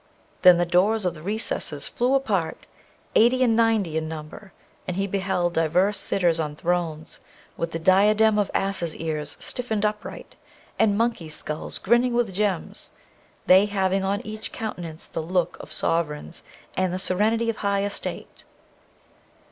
Then the doors of the recesses flew apart, eight and ninety in number, and he beheld divers sitters on thrones, with the diadem of asses' ears stiffened upright, and monkeys' skulls grinning with gems; they having on each countenance the look of sovereigns and the serenity of high estate.